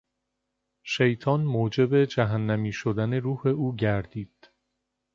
شیطان موجب جهنمی شدن روح او گردید.